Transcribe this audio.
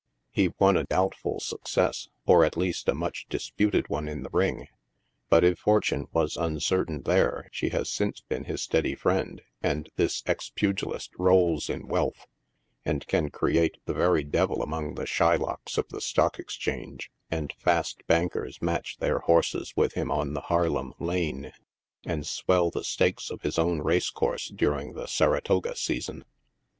He won a doubt ful success — or at least a much disputed one in the ring, but, if for tune was uncertain there she has since been his steady friend, and this ex pugilist rolls in wealth, and can create the very devil among the Shylocks of the Stock Exchange, and fast bankers match their horses with him on the Harlem Lane, and swell the stakes of his own race course during the Saratoga season.